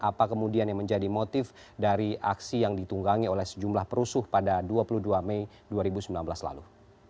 apa kemudian yang menjadi motif dari aksi yang ditunggangi oleh sejumlah perusuh pada dua puluh dua mei dua ribu sembilan belas lalu